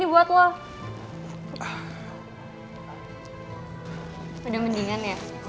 udah baik kan